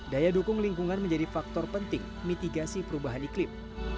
daya dukung lingkungan menjadi faktor penting mitigasi perubahan iklim